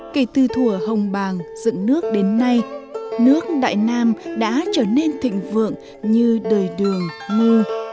kể từ thùa hồng bàng dựng nước đến nay nước đại nam đã trở nên thịnh vượng như đời đường ngô